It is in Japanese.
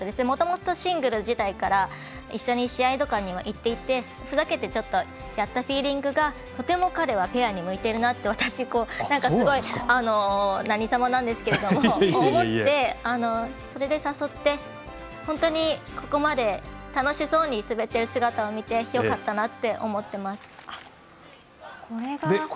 もともと、シングル時代から一緒に試合とかには行っていてふざけて、ちょっとやったフィーリングが、とても彼はペアに向いているなと、私すごい何様なんですけど思ってそれで誘って本当に、ここまで楽しそうに滑っている姿を見てよかったなと思っています。